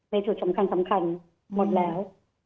ในส่วนสำคัญหมดแล้ว